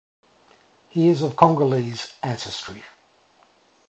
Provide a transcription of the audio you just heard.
He is of Congolese ancestry.